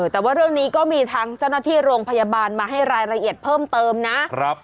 แต่ว่าเรื่องนี้ก็มีทางเจ้าหน้าที่โรงพยาบาลมาให้รายละเอียดเพิ่มเติมนะ